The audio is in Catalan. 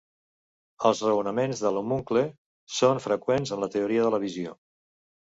Els raonaments de l'homuncle són freqüents en la teoria de la visió.